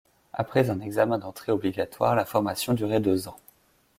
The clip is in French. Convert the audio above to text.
Après un examen d'entrée obligatoire, la formation durait deux ans.